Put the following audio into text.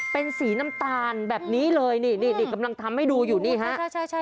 เป็นสีน้ำตาลแบบนี้เลยนี่นี่กำลังทำให้ดูอยู่นี่ฮะ